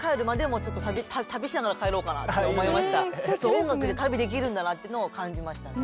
音楽で旅できるんだなっていうのを感じましたね。